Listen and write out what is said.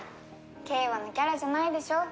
景和のキャラじゃないでしょ。